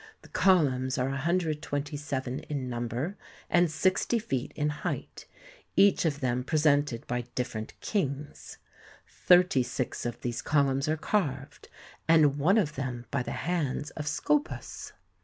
The columns are 127 in num ber and sixty feet in height, each of them presented by different kings. Thirty six of these columns are carved, and one of them by the hands of Scopas.